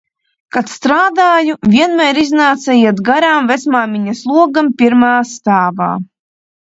Kad strādāju, vienmēr iznāca iet garām vecmāmiņas logam, pirmā stāvā.